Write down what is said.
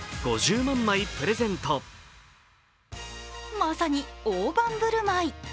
まさに大盤振る舞い。